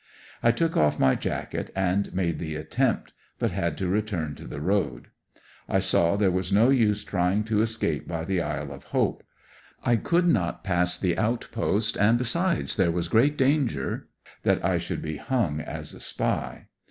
I took off my jacket and made the attempt, but had to return to the road. I saw there was no use trjang to escape by the Isle of Hope. I could not pass the outpost, and besides, there was great danger that I should be hung as a spy.